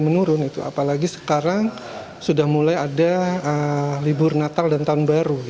menurun itu apalagi sekarang sudah mulai ada libur natal dan tahun baru